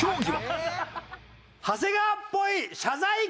長谷川っぽい謝罪会見！